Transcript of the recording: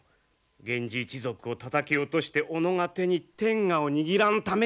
源氏一族をたたき落としておのが手に天下を握らんためにな！